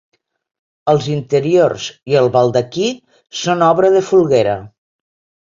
Els interiors i el Baldaquí són obra de Folguera.